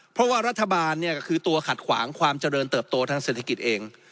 เพราะว่ารัฐบาลเนี่ยก็คือตัวขัดขวางความเจริญเติบโตทางเศรษฐกิจเอง